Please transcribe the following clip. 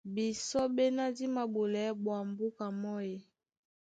Bisɔ́ ɓéná dí māɓolɛɛ́ ɓwǎm̀ búka mɔ́ e?